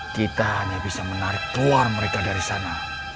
kita hanya bisa menarik keluar mereka dari sana